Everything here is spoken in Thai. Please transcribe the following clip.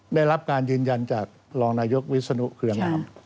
ได้รับการดูแลจากลองนายธ์วิสุนุเครือหนาว